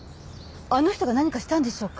あの人が何かしたんでしょうか？